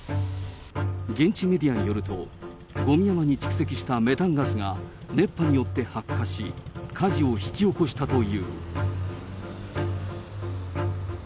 現地メディアによると、ごみ山に蓄積したメタンガスが熱波によって発火し、火事を引き起こしたという。